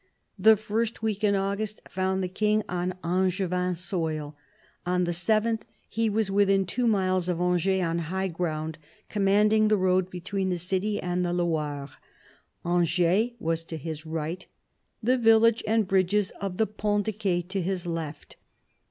The first week in August found the King on Angevin soil ; on the 7th he was within two miles of Angers, on high ground commanding the road between the city and the Loire. Angers was to his right ; the village and bridges of the Ponts de Ce to his left.